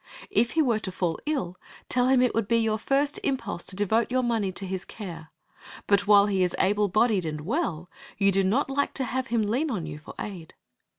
If he were to fall ill tell him it would be your first impulse to devote your money to his care; but while he is able bodied and well, you do not like to have him lean on you for aid.